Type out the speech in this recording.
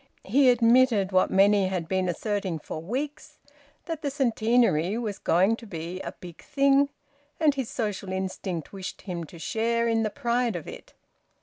He admitted, what many had been asserting for weeks, that the Centenary was going to be a big thing; and his social instinct wished him to share in the pride of it.